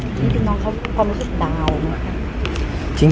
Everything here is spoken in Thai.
จริงน้องเขาความรู้สึกดาวมั้ยครับ